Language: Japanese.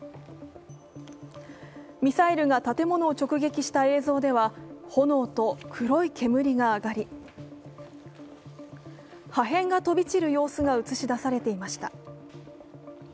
ミサイルが建物を直撃した映像では炎と黒い煙が上がり、破片が飛び散る様子が映し出されていました。